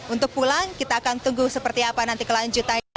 untuk pulang kita akan tunggu seperti apa nanti kelanjutannya